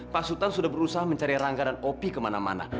pasutan sudah berusaha mencari rangga dan opi kemana mana